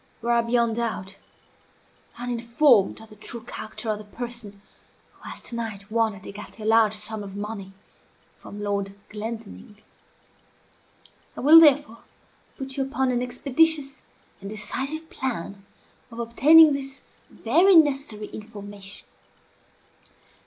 You are, beyond doubt, uninformed of the true character of the person who has to night won at écarté a large sum of money from Lord Glendinning. I will therefore put you upon an expeditious and decisive plan of obtaining this very necessary information.